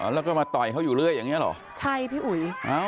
แล้วก็มาต่อยเขาอยู่เรื่อยอย่างเงี้เหรอใช่พี่อุ๋ย